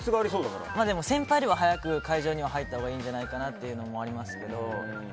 でも先輩より早く会場には入ったほうがいいんじゃないのかなとはありますけど。